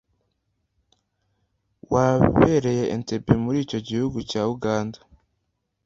wabereye Entebbe muri icyo gihugu cya Uganda